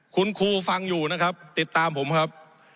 คุณครูฟังอยู่นะครับติดตามผมครับ